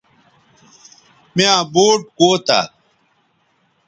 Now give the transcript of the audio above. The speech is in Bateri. میاں بوٹ کوتہ